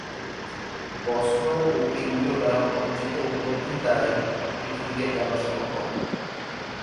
বস্তু ও ইন্দ্রিয় দ্বারা অর্জিত উপলব্ধি দ্বারাই পৃথিবীকে জানা সম্ভব।